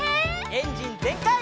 エンジンぜんかい！